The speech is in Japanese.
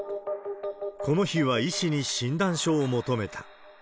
この日は医師に診断書を求めた。